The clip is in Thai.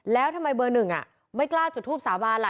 แล้วทำไมเบอร์หนึ่งไม่กล้าจุดทูปสาบานล่ะ